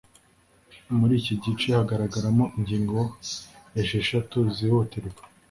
muri iki gice hagaragaramo ingingo esheshatu zihutirwa